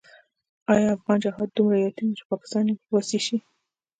آیا افغان جهاد دومره یتیم وو چې پاکستان یې وصي شي؟